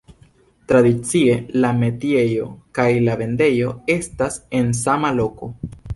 Tradicie, la metiejo kaj la vendejo estas en sama loko.